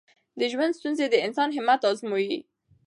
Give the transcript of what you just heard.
د ژوند ستونزې د انسان همت ازمويي.